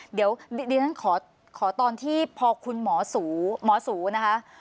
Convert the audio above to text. เดี๋ยวดิฉันขอตอนที่พอคุณหมอสูนะคะ